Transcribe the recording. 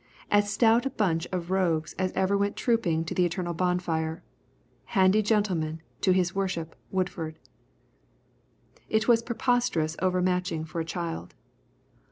As stout a bunch of rogues as ever went trooping to the eternal bonfire, handy gentlemen to his worship Woodford. It was preposterous overmatching for a child.